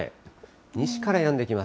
西からやんできます。